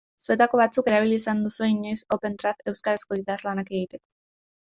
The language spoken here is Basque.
Zuetako batzuk erabili izan duzue inoiz Opentrad euskarazko idazlanak egiteko.